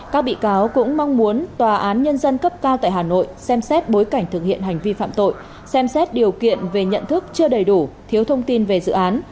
các bị cáo cũng mong muốn tòa án nhân dân cấp cao tại hà nội xem xét bối cảnh thực hiện hành vi phạm tội xem xét điều kiện về nhận thức chưa đầy đủ thiếu thông tin về dự án